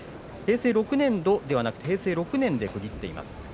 平成６年度ではなく平成６年で区切っています。